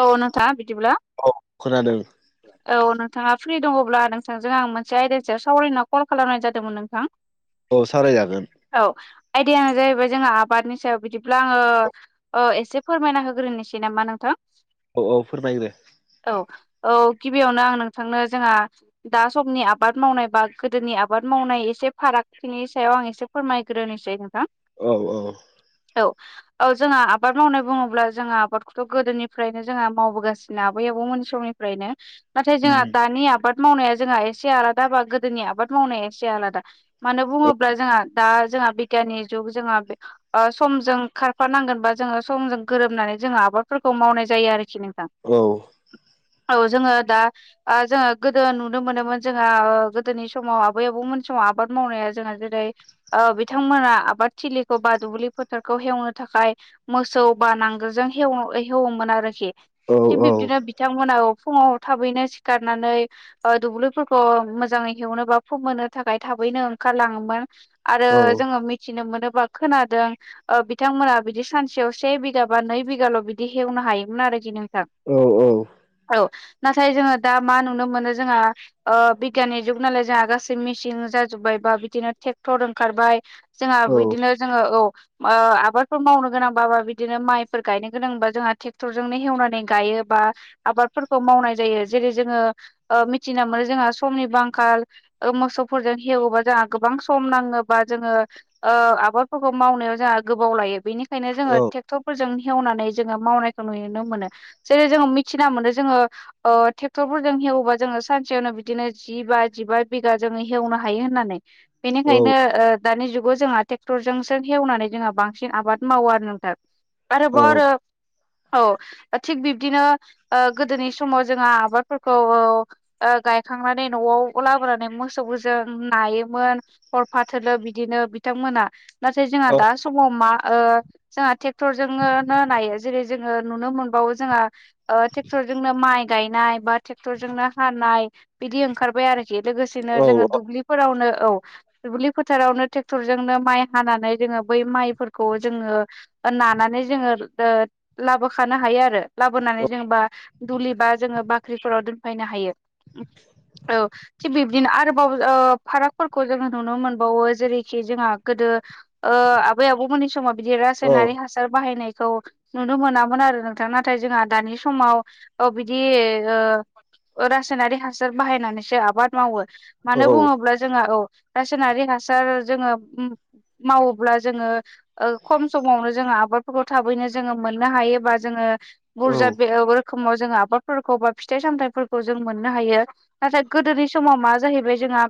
औ नोंथाङा बिदिब्ला औ खोनादों। औ नोंथाङा फ्रि दङब्ला नोंथांजों आं मोनसे आयदानि सायाव सावरायनो होन्ना कल खालामनाय जादोंमोन नोंथां। [unintelligible] औ सावरायजागोन औ आयदायानो जाहैबाय जोंहा आबादनि सायाव बिदिब्ला आङो अ एसे फोरमायना होग्रोनोसै नामा नोंथां? औ औ फोरमायग्रो औ औ गिबियावनो आं नोंथांनो जोंहा दा समनि आबाद मावनाय बा गोदोनि आबाद मावनाय एसे फाराग बिनि सायाव आं एसे फोरमायग्रोनिसै [unintelligible] औ औ औ औ जोंहा आबाद मावनाय बुङोब्ला जों आबादखौथ' गोदोनि फ्रायनो जोंहा मावबोगासिनो आबै आबौमोननि समनिफ्रायनो नाथाय जोंहा उम दानि आबाद आबाद मावनाया जोंहा एसे आलादा बा गोदोनि आबाद मावनाया एसे आलादा। मानो औ बुङोब्ला जोंहा दा जोंहा बिगियाननि जुग जोंहा ओ समजों खारफानांगोन बा जोङो समजों गोरोबनानै जोङो आबादफोरखौ मावनाय जायो आरिखि नोंथां। औ औ जोङो दा ओ जोङो गोदो नुनो मोनोमोन जोंहा गोदोनि समाव आबै आबौमोन समाव आबाद मावनाया जोंहा जेरै बिथांमोना आबाद थिलिखौ बा दुब्लि फोथारखौ हेवनो थाखाय मोसौ बा नांगोलजों हेवोमोन आरोखि औ थिग बिब्दिनो बिथांमोना फुङाव थाबैनो सिखारनानै दुब्लिफोरखौ मोजाङै हेवनो बा फोमोननो थाखाय थाबैनो ओंखारलाङोमोन आरो औ जोङो मिथिनो मोनो बा खोनादों ओ बिथांमोना बिदि सानसेयाव से बिगा बा नै बिघाल' बिदि हेवनो हायोमोन आरो दि नोंथां। औ औ औ नाथाय जोङो दा मा नुनो मोनो जोंहा ओ बिग्याननि जुग नालाय जोंहा गासै मेसिन जाजोब्बाय बा बिदिनो ट्रेक्टर ओंखारबाय। जोंहा औ बिदिनो जोङो औ ओ आबादफोर मावनो गोनांबाबा बिदिनो माइफोर गायनो गोनांबा जोंहा थे क्टरजोंनो हेवनानै गायो बा आबादफोरखौ मावनाय जायो जेरै जोङो ओ मिथिना मोनो जोंहा समनिबो आंखाल। मोसौफोरजों हेवोबा जोंहा गोबां सम नाङोबा जोङो ओ आबादफोरखौ मावनायाव जोंहा गोबाव लायो बेनिख खायनो औ जोङो ट्रेक्टरफोरजों हेवनानै जोङो मावनायखौ नुयो नङा होमबा जेरै जोङो मिथिना मोनो जोङो ओ ट्रेक्टरफोरजों हेवोबा जोङो सानसेयावनो बिदिनो जि बा जिबा बिगा जोङो हेवनो हायो होननानै। बेनिखायनो ओ दानि जुगाव जोंहा ट्रेक्टरजोंसो हेवनानै जोंहा बांसिन आबाद मावो आरो नोंथां। आरोबाव आरो औ थिग बिबदिनो ओ गोदोनि समाव जोंहा आबादफोरखौ औ ओ गायखांनानै न'आव लाबोनानै मोसौफोरजों नायोमोन। हरफाथोलो बिदिनो बिथांमोना नाथाय जोंहा दा समाव मा ओ जोंहा ट्रेक्टरजोंनो नायो जेरै जोंङो नुनो मोनबावो जोंहा ओ ट्रेक्टरजोंनो माइ गायनाय बा ट्रेक्टरजोंनो हानाय बिदि ओंखारबाय आरोखि लोगोसेनो जोंङो दुब्लिफोरावनो औ दुब्लि फोथारावनो ट्रेक्टरजोंनो माइ हानानै जोंङो बै माइफोरखौ जोंङो नानानै जोंङो ओ लाबोखानो हायो आरो लाबोनानै जेनबा दुलि बा जोंङो बाख्रिफोराव दोनफैनो हायो। औ थिग बे दिन आरोबाव ओ फारागफोरखौ जोंङो नुनो मोनबावो जेरैखि जोंहा गोदो ओ आबै आबौमोननि समाव बिदि रासायनारि हासार बाहायनायखौ नुनो मोनामोन आरो। दा नाथाय जोंहा दानि समाव औ बिदि ओ रासायनारि हासार बाहायनानैसो आबाद मावो औ मानो बुंङोब्ला जोंहा औ रासायनारि हासार जोंङो मावोब्ला जोंङो ओ खम समावनो जोंङो आबादफोरखौ थाबैनो जोंङो मोननो हायोबा जोंङो औ बुरजा बेयावबो खोमाव जों आबादफोरखौ बा फिथाइ सामथाइफोरखौ जों मोननो हायो। नाथाय गोदोनि समाव मा जाहैबाय जोंहा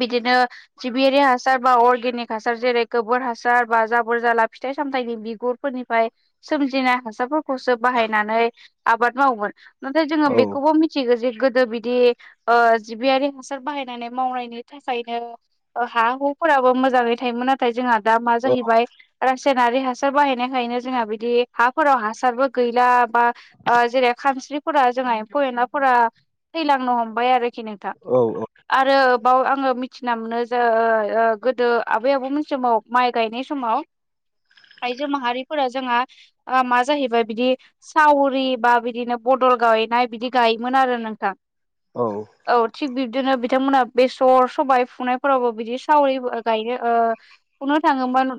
बिदिनो जिबियारि हासार बा अर्गेनिक हासार जेरै गोबोर हासार बा जाबोर जाला फिथाइ सामथायाइनि बिगुरफोरनि फाय सोमजिनाय हासारफोरखौसो बाहायनानै आबाद मावोमोन। नाथाय जोंङो बेखौबो मि थिगौ जे गोदो बिदि ओ जिबियारि हासार बाहायनानै मावनायनि थाखायनो ओ हा हुफोराबो मोजांङै थायोमोन नाथाय जोंहा दा मा जाहैबाय रासायनारि हासार बाहायनायखायनो जोंहा बिदि हाफोराव हासारबो गैला बा ओ जेरै खानस्रिफोरा जोंहा एम्फौ एनलाफोरा थैलांनो हमबाय आरोखि नोंथां। आरो बाव आंङो मिथिना मोनो ज ओ ओ गोदो आबै आबौमोन समाव माइ गायनाय समाव आयजो माहारिफोरा जोंहा मा जाहैबाय बिदि सावरि बा बिदिनो बदल गायनाय बिदि गायोमोन आरो नोंथां। औ औ थिग बिब्दिनो बिथांमोना बेसर सबाय फुनायफोरावबो बिदि सावरि गायनो ओ फुनो थांङोमोन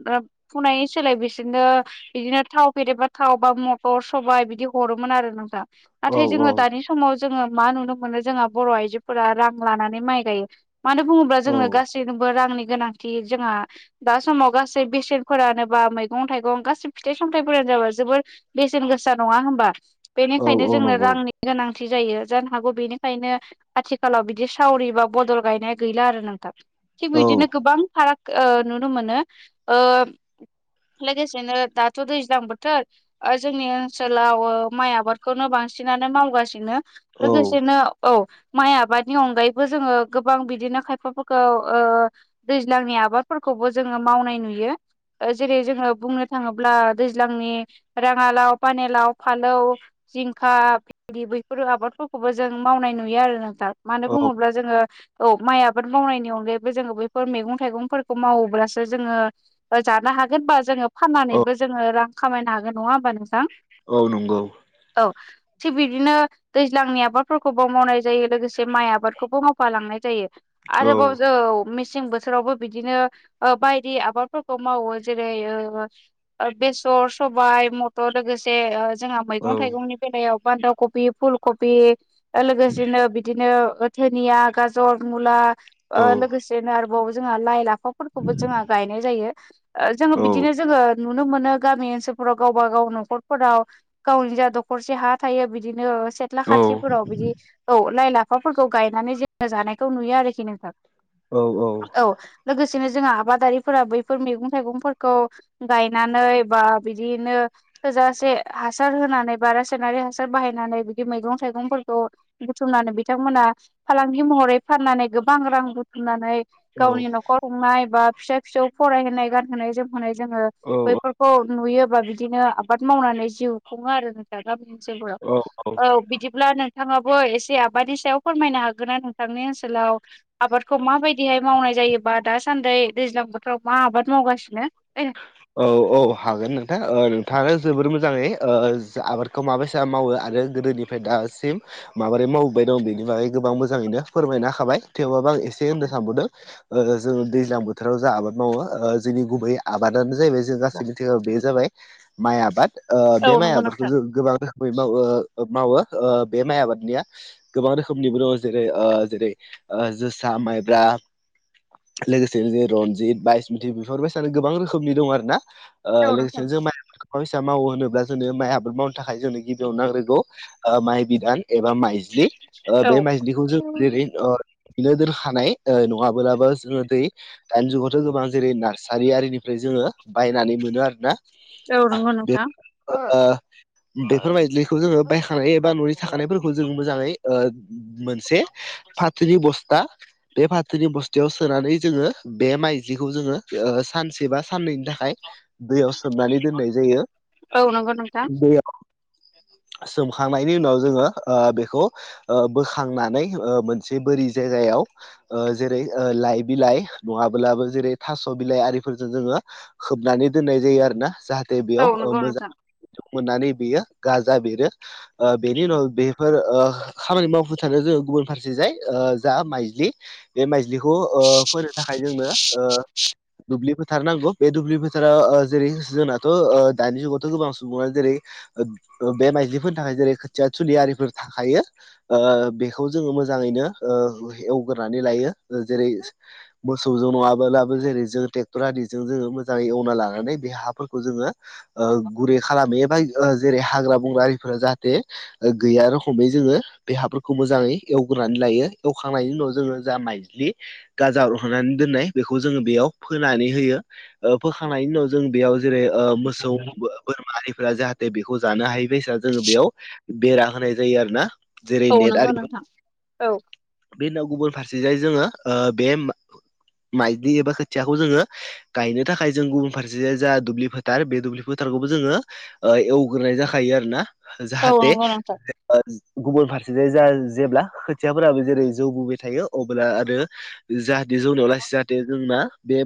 फुनाय सोलाय बिसोरनो बिदिनो थाव फेरेबा थाव बा मटर सबाय बिदि हरोमोन आरो नोंथां नाथाय जोंङो दानि समाव जोंङो मा नुनो मोनो जोंहा बर' आइजोफोरा रां लानानै माइ गायो। मानो बुंङोब्ला जोंनो गासैनोबो रांनि गोनांथि जोंहा दा समाव गासै बेसेन फोरानोबा मैगं थाइगं गा फिथाइ सामथाइफोरानो जाबा जोबोर बेसेन गोसा नंङा होमबा बेनिखायनो जोंनो नंगौ रांनि गोनांथि जायो। जानो हागौ बेनिखायनो आथिखालाव बिदि सावरि बा बदल गायनाया गैला आरो नोंथां। थिग औ बिदिनो गोबां फाराग ओ नुनो मोनो। ओ लोगोसेनो दाथ' दैज्लां बोथोर ओ जोंनि ओनसोलाव ओ माइ आबादखौनो बांसिनानो मावगासिनो। औ लोगोसेनो औ माइ आबादनि अनगायैबो जोंङो गोबां बिदिनो खायफाफोरखौ ओ दैज्लांनि आबादफोरखौबो जोंङो मावनाय नुयो। जेरै जोंङो बुंनो थांङोब्ला दैज्लांनि रांङालाव, पाने लाव, फालौ, जिंखा, फलि बैफोरो आबादफोरखौबो जों मावनाय नुयो आरो नोंथां। मानो बुंङोब्ला जोंङो औ माइ आबाद मावनायनि अनगायैबो जोंङो बैफोर मैगं थाइगंफोरखौ मावोब्लासो जोंङो जानो हागोन बा जोंङो औ फाननानैबो जोंङो रां खामायनो हागोन नंङा होमबा नोंथां। औ नंगौ। औ थिग बिदिनो दैज्लांनि आबादफोरखौबो मावनाय जायो लोगोसे माइ आबादखौबो मावफालांनाय जायो। औ आरोबाव औ। मेस मसें बोथोरावबो बिदिनो बायदि आबादफोरखौ मावो। जेरै- बेसर, सबाइ, मथर लोगोसे जोंहा औ मैगं-थाइगंनि बेलायाव बान्दा कबि, फुल कबि, लोगोसेनो बिदिनो धोनिया, गाजर, मुला, औ लोगोसेनो आरोबाव जोंहा लाइ लाफाफोरखौबो जोंहा गायनाय जायो। जोङो बिदिनो जोङो नुनो मोनो। गामि ओनसोलफोराव गावबा गाव न'खरफोराव गावनि जा दखरसे हा थायो बिदिनो सेथ्ला औ खाथिफोराव बिदि औ लाइ लाफाफोरखौ गायनानै जोङो जानायखौ नुयो आरोखि नोंथां। औ औ लोगोसेनो जोंहा आबादारिफोरा बैफोर मैगं थाइगंफोरखौ गायनानै बा बिदिनो थोजासे हासार होनानै बा रासायनारि हासार बाहायनानै बिदि मैगं थाइगंफोरखौ बुथुमनानै बिथांमोना फालांगि महरै फाननानै गोबां रां बुथुमनानै गावनि न'खर खुंनाय बा फिसा फिसौ फरायहोनाय गानहोनाय जोमहोनाय जोङो औ बै खौ नुयोबा बिदिनो आबाद मावनानै जिउ खुङो आरो नोंस्रा गामि ओनसोलफोराव औ बिदिब्ला नोंथाङाबो एसे आबानि सायाव फोरमायनो हागोन ना नोंथांनि ओनसोलाव आबादखौ माबायदिहाय मावनाय जायोबा दासान्दि दैज्लां बोथोराव मा आबाद मावगासिनो। [unintelligible] औ औ हागोन नोंथां नोंथाङा जोबोर मोजाङै आबादखौ माबायसा मावो आरो गोदोनि ओमफ्राय दासिम माबोरै मावबोबाय दं बेनि बागै गोबां मोजाङैनो फोरमायना होखाबाय। थेवबाबो आं एसे थ होननो सानबोदों जोङो दैज्लां बोथोराव जा आबाद मावो जोंनि गुबैया आबादानो जाहैबाय जों गासै मिथिङाव बे जाबाय माइ आबाद औ बे माइ नंगौ आबादखौ नोंथां जों गोबां बै मावो मावो बे माइ आबादनिया गोबां रोखोमनिबो दङ। जेरै जेरै जोसा माइब्रा लोगोसे ज रनजित बायसमिथि बेफोरबायदिनो गोबां रोखोमनि दं आरोना। औ नोंथां लोगोसेनो जों माइ आबादखौाैसा मावो होनोब्ला जोंनो माइ आबाद मावनो थाखाय जोंनो गिबियाव नांग्रोगौ माइ बिदान एबा माइज्लि। औ बे माइज्लिखौ जों जेरै बिनो दोरखानाय नङाबो्लाबो जोङो दै दानि जुगावथ' गोबां जेरै नारसि सारि आरिनिफ्राय जोङो बायनानै मोनो आरोना। रौ नोंगौ बे नोंथां। ओ बेफोरबायदिखौ जोङो बायखानाय एबा न'नि थाखानायफोरखौ खौ जों मोजाङै मोनसे फाथोनि बस्था बे फाथोनि बस्थायाव सोनानै जोङो बे माइज्लिखौ जोङो सानसे बा साननैनि थाखाय दैयाव सोमनानै दोननाय जायो। औ नंगौ नोंथां दैयाव [inaudible] सोमखांनायनि उनाव जोङो ओ बेखौ ओ बोखांनानै ओ मोनसे बोरि जायगायाव ओ जेरै ओ लाइ बिलाइ नङाब्लाबो जेरै थास' बिलाइ आरिफोरजों जोङो होबनानै दोननाय जायो आरोना जाहाथे औ बेयाव ओ नंगौ मोजां नोंथां मोननानै बेयो गाजा बेरो ओ बेनि उनाव बेफोर ओ खामानि मावफुथार जोङो गुबुन फारसे जाय ओ जा माइजलि बे माइज्लिखौ ओ फोनो थाखाय जोंनो ओ दुब्लि फोथार नांगौ बे दुब्लि फोथार जाव ओ जेरै जोंनाथ ओ' दानि जुगावथ' गोबां सुबुङानो जेरै बे माइदिफोरनि थाखाय जेरै खोथिया थुलियारिफोर थाखायो। ओ बेखौ जोङो मोजाङैनो ओ एवगोरानै लायो जेरै मोसौजों नङाबोलाबो जेरै जों ट्रेक्टर आदिजों जोङो मोजाङै एवना लानानै बे हाफोरखौ जोङो ओ गुरै खालामो एबा ओ जेरै हाग्रा बंग्रा आरिफोरा जाहाथे ओ गैया रखमै जोङो बे हहाफोरखौ मोजाङै एवग्रोनानै लायो एवखांनायनि उनाव जोङो जा मायज्लि गाजा रहनानै दोननाय बेखौ जोङो बेयाव फोनानै होयो। ऐ फोखांनायनायनि उनाव जों बेयाव जेरै ओ मोसौ बोरमाहारिफोरा जाहाथे बेखौ जानो हायो बस जोङो बेयाव बेरा होनाय जायो आरो ना औ नोंगौ नोंथां औ बे उनाव गुबुन फारसेजोय जोङो ओ बे माइदि एबा खोथियाखौ जोङो। गायनो थाखाय जों गुबुन फारसे जा दुब्लि फोथार बे दुब्लि फोथारखौबो जोङो। ओ एवग्रोनाय जाखायो आरो ना औ जाहाथे नंगौ नोंथां गुबुन फारसे ज जेब्ला खोथियाफोराबो जेरै जौबोबाय थायो अब्ला आरो जाहाथे जौनायाव लास जाहाथे जोंना बे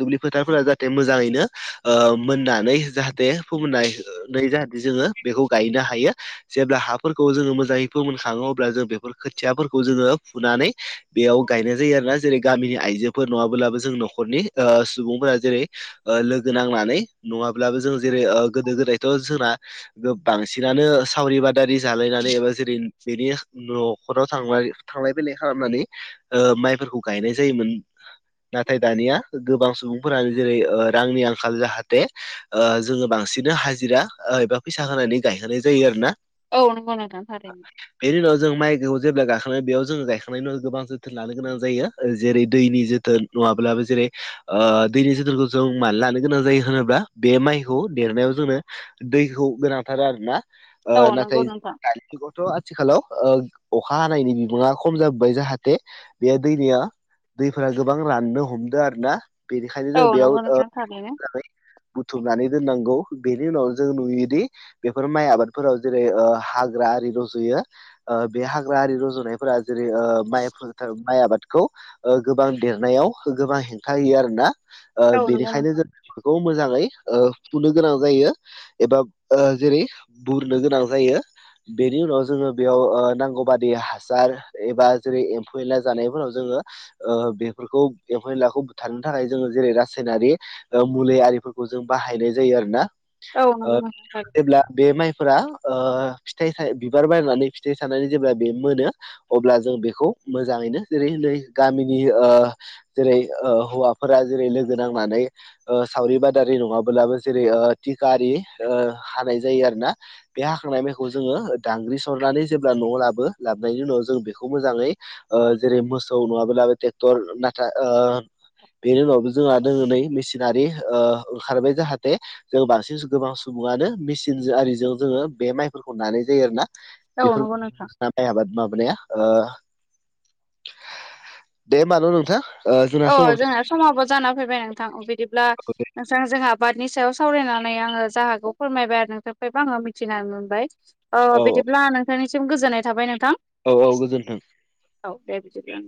दुब्लि फोथारफोरा जाहाथे मोजाङैनो ओ मोननानै जाहाथे फनाय। नै जाहाथे जोङो बेखौ गायनो हायो। जेब्ला हाफोरखौ जोङो मोजाङै फोमोनखाङो अब्ला जों बेफोर खोथियाफोरखौ। खौ जोङो फुनानै बेयाव गायनाय जायो आरो ना जेरै गामिनि आइजोफोर नङाबोलाबो जों न'खरनि ओ सुबुंफोरा जेरै ओ लोगो नांनानै नङाब्लाबो जों जेरै ओ गोदो गोदायथ' जोंना। बांसिनानो सावरि बादारि जालायनानै एबा जेरै बेनि न'खराव थांलाय फैलाय खालामनानै ओ माइफोरखौ गायनाय जायोमोन। नाथाय दानिया गोबां सुबुंफोरानो जेरै ओ रांनि आंखाल जाहाथे। ओ जों बांसिननो हाजिरा ओ एबा फैसा होनानै गाय जायो आरोना औ नंगौ नोंथां थारैनो बेनि उनाव जों माइ जेब्ला गाखां बेयाव जोङो गायखांनायनि उनाव गोबां जोथोन लानो गोनां जायो जेरै दैनि जोथोन नङाब्लाबो जेरै ओ दैनि जोथोनखौ जों मान लानो गोनां जायो होनोब्ला बे माइखौ देरनायाव जोंनो। दैखौ गोनांथारो आरो ना ओ औ नंगौ नाथाय नोंथां दानि जुगावथ' आथिखालाव ओ अखा हानायनि बिबाङा खम जाबोबबाय जाहाथे बेयो दैनिया दैफोरा गोबां राननो हमदों आरो ना बेनिखायनो औ जों बेयाव। नंगौ नोंथां थारैनो [unintelligible] बुथुमनानै दोननांगौ बेनि उनाव जों नुयोदि। बेफोर माइ आबादफोराव जेरै ओ हाग्रा आरि रज'यो ओ बे हाग्रा आरारि रज'नायफोरा जेरै ओ माइफोर। माइ आबादखौ गोबां देरनायाव गोबां हेंथा होयो आरो ना ओ औ नंगौ बेनिखायनो नोंथां जों बेफोरखौ मोजाङै ओ फुनो गोनां जायो। एबा ओ जेरै बुरनो गोनां जायो बेनि उनाव जोङो बेयाव ओ नांगौ बादि हासार एबा जेरै एम्फौ एनला जानायफोराव जोङो। ओ बेफोरखौ एमफौ एनलाखौ बुथारनो थाखाय जोङो जेरै रासायनारि ओ मुलि आरिफोरखौ जों बाहायनाय जायो आरो ना। औ ओ नंगौ नोंथां जेब्ला बे माइफोरा ओ फिथाइ थाय बिबार बायनानै फिथाइ स साननानै जेब्ला बे मोनो अब्ला जों बेखौ मोजाङैनो जेरै नै गामिनि ओ जेरै ओ हौवाफोरा जेरै लोगो नांनानै। ओ सावरि बादारि नङाब्लाबो जेरै ओ थिका आरि ओ हानाय जायो आरो ना बे हाखांनाय माइखौ जोङो दांग्रि सरनानै जेब्ला न'आव लाबो लाबनायनि उनाव जों बेखौ मोजाङै। ओ जेरै मोसौ नङाब्लाबो ट्रेक्टर नाथाय ओ बेनि उनावबो जोंहा दोङो नै मेसिनारि ओ ओंखारबाय जाहाथे जों बांसिन गोबां सुबुङानो मेसिनजो आरिजों जोङो बे माइफोरखौ नानाय जायो आरो ना थारैनो औ बेफोर नंगौ नोंथां नाम माइ आबाद माबानाया ओ दे ओमबा न' नोंथां। औ जोंना समाबो जाना फैबाय नोंथां बिदिब्ला जों जोंहा आबादनि सायाव सावरायनानै आङो जाहागखौ फोरमायबाय आरो नोंथोरफ्रायबो आङो मिथिनानै मोनबाय। औ बिदिब्ला नोंथांनिसिम गोजोननाय थाबाय नोंथां। औ औ गोजोन्थों। औ दे बिदिब्ला